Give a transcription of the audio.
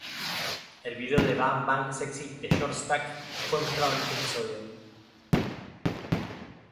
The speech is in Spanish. El video de "Bang Bang Sexy", de Short Stack, fue mostrado en este episodio.